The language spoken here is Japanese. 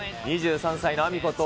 ２３歳のアミこと